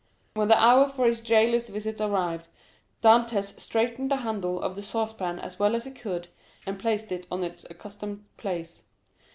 When the hour for his jailer's visit arrived, Dantès straightened the handle of the saucepan as well as he could, and placed it in its accustomed place.